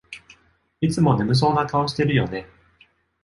いつも眠そうな顔してるよね